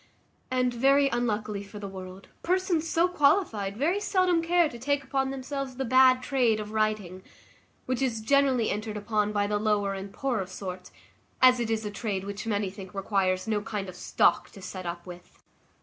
And, very unluckily for the world, persons so qualified very seldom care to take upon themselves the bad trade of writing; which is generally entered upon by the lower and poorer sort, as it is a trade which many think requires no kind of stock to set up with.